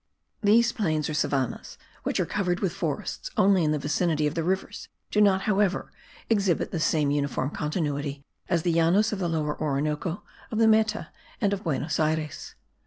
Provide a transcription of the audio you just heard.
These plains or savannahs which are covered with forests only in the vicinity of the rivers do not, however, exhibit the same uniform continuity as the Llanos of the Lower Orinoco, of the Meta and of Buenos Ayres.